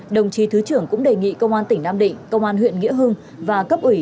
đồng chí thứ trưởng cũng đề nghị công an tỉnh nam định công an huyện nghĩa hưng và cấp ủy